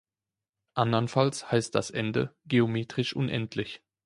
Andernfalls heißt das Ende "geometrisch unendlich".